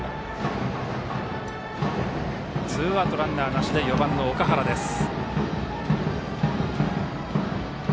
ツーアウトランナーなしで４番の岳原です。